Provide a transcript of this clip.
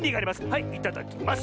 はいいただきます。